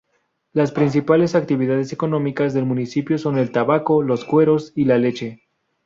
Las principales actividades económicas del municipio son el tabaco, los cueros y la leche.